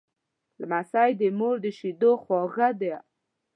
لمسی د مور د شیدو خواږه دی.